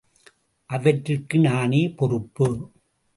அவற்றிற்கு நானே பொறுப்பு.